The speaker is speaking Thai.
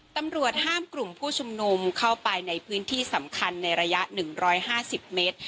ตำรวจห้ามกลุ่มผู้ชมนมเข้าไปในพื้นที่สำคัญในระยะหนึ่งร้อยห้าสิบเมตร